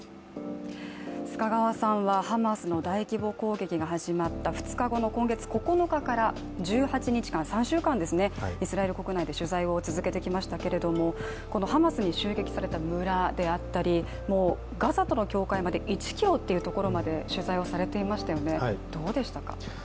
須賀川さんはハマスの大規模攻撃が始まった２日後の今月９日から１８日間、３週間イスラエル国内で取材を続けてきましたけどもこのハマスに襲撃された村であったりガザとの境界まで１ｋｍというところまで取材をされていましたよね、どうでしたか？